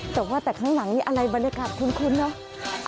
แต่ว่าแต่ข้างหลังนี่อะไรบรรยากาศคุ้นเนอะ